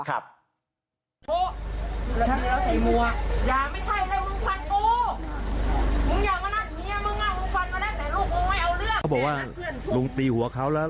ครับ